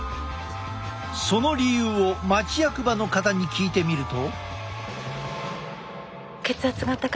その理由を町役場の方に聞いてみると。